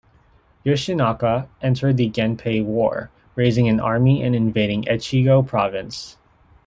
Yoshinaka entered the Genpei War raising an army and invading Echigo Province.